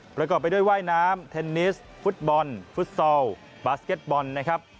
ประกอบไปด้วยว่ายน้ำเทนนิสฟุตบอลฟุตซอลบาสเก็ตบอลนะครับ